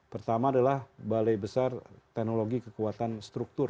pertama adalah balai besar teknologi kekuatan struktur